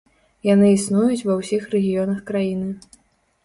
Яны існуюць ва ўсіх рэгіёнах краіны.